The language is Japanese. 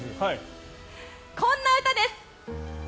こんな歌です。